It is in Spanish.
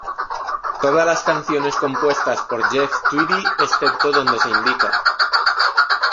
Todas las canciones compuestas por Jeff Tweedy, excepto donde se indica.